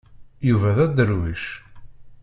Yuba d adderwic.